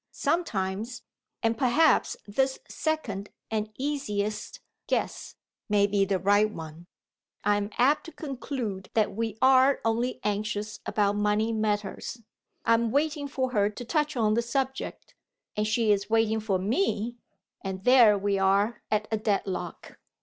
Sometimes and perhaps this second, and easiest, guess may be the right one I am apt to conclude that we are only anxious about money matters. I am waiting for her to touch on the subject, and she is waiting for me; and there we are at a deadlock.